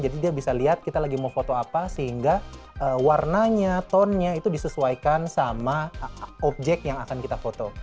jadi dia bisa lihat kita lagi mau foto apa sehingga warnanya tonenya itu disesuaikan sama objek yang akan kita foto